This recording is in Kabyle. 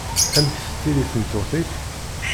Amek tettili tmeṭṭut-ik?